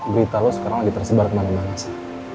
berita lo sekarang lagi tersebar kemana mana sih